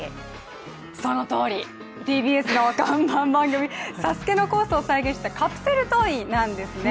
そのとおり、ＴＢＳの看板番組「ＳＡＳＵＫＥ」のコースを再現したカプセルトイなんですね。